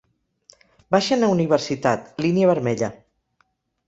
Baixen a Universitat, línia vermella.